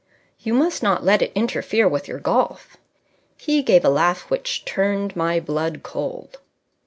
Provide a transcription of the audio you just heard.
"You must not let it interfere with your golf." He gave a laugh which turned my blood cold.